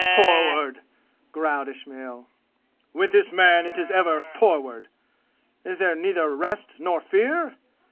"Forward?" growled Ismail. "With this man it is ever 'forward!' Is there neither rest nor fear?